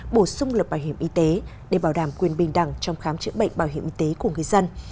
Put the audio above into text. bổ sung luật bảo hiểm y tế để bảo đảm quyền bình đẳng trong khám chữa bệnh bảo hiểm y tế của người dân